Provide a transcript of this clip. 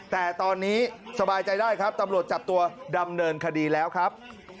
แต่ตอนนี้สบายใจได้ครับตำรวจจับตัวดำเนินคดีแล้วครับ